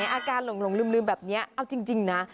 อาการหลงลืมแบบนี้เอาจริงนะ